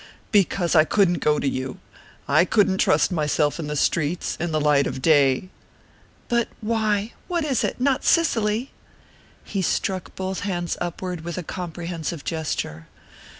"Because I couldn't go to you. I couldn't trust myself in the streets in the light of day." "But why? What is it? Not Cicely ?" He struck both hands upward with a comprehensive gesture.